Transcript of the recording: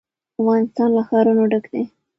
افغانستان له ښارونه ډک دی.